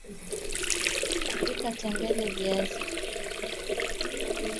Pika matembele ya viazi lishe kwa muda mfupi